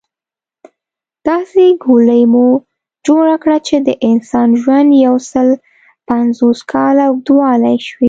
داسې ګولۍ مو جوړه کړه چې د انسان ژوند يوسل پنځوس کاله اوږدولی شي